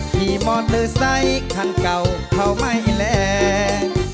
ที่มอเตอร์ไซค์คันเก่าเข้าไม่แรก